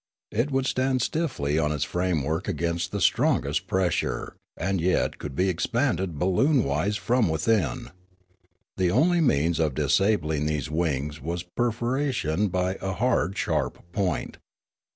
It would stand stiffly on its framework against the strongest pressure, and yet could be expanded balloon wise from within. The only means of disabling these wings was perforation by a hard, sharp point.